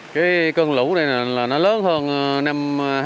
cái cơn lũ này là nó lớn hơn năm hai nghìn một mươi